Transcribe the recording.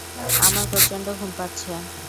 আমার প্রচণ্ড ঘুম পাচ্ছে।